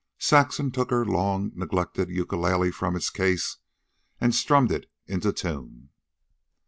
Saxon took her long neglected ukulele from its case and strummed it into tune.